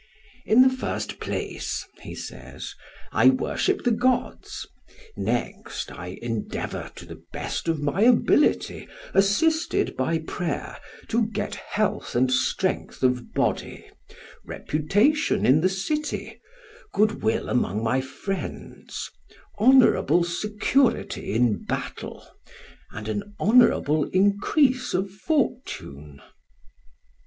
"In the first place," he says, "I worship the gods. Next, I endeavour to the best of my ability, assisted by prayer, to get health and strength of body, reputation in the city, good will among my friends, honourable security in battle and an honourable increase of fortune."